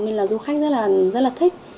nên là du khách rất là thích